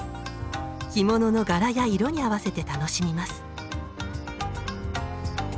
着物の柄や色に合わせて楽しみます。